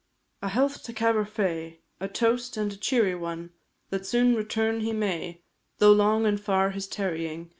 A health to Caberfae, A toast, and a cheery one, That soon return he may, Though long and far his tarrying.